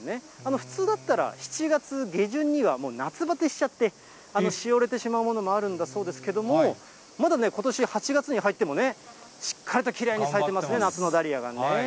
普通だったら７月下旬にはもう夏ばてしちゃって、しおれてしまうものもあるんだそうなんですが、まだね、ことし８月に入っても、しっかりときれいに咲いてますね、夏のダリアがね。